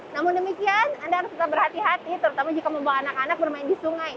namun demikian anda harus tetap berhati hati terutama jika membawa anak anak bermain di sungai